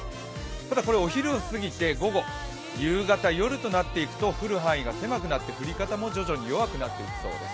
ただ、お昼を過ぎて午後、夕方、夜となっていくと降る範囲が狭くなって降り方も徐々に弱くなってきそうです。